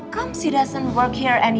kenapa dia gak bekerja disini lagi